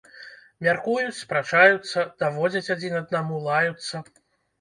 Мяркуюць, спрачаюцца, даводзяць адзін аднаму, лаюцца.